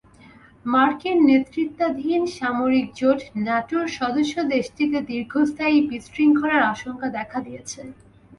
মার্কিন নেতৃত্বাধীন সামরিক জোট ন্যাটোর সদস্যদেশটিতে দীর্ঘস্থায়ী বিশৃঙ্খলার আশঙ্কা দেখা দিয়েছে।